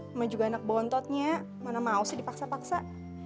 sama juga anak bontotnya mana mau sih dipaksa paksa